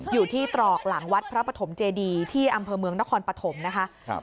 อยู่ที่ตรอกหลังวัดพระปฐมเจดีที่อำเภอเมืองนครปฐมนะคะ